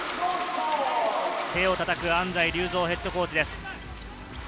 手を叩く安齋竜三ヘッドコーチです。